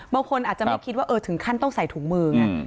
บางคนอาจจะไม่คิดว่าเออถึงขั้นต้องใส่ถุงมือไง